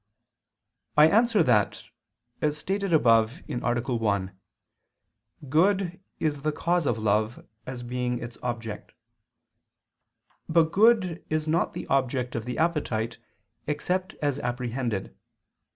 I answer that, As stated above (A. 1), good is the cause of love, as being its object. But good is not the object of the appetite, except as apprehended.